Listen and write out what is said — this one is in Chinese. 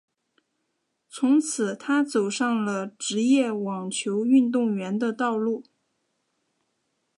从此她走上了职业网球运动员的道路。